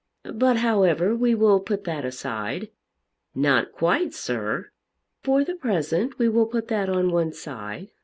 But, however, we will put that aside." "Not quite, sir." "For the present we will put that on one side.